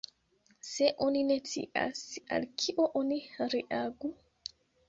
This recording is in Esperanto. Se oni ne scias al kio oni reagu?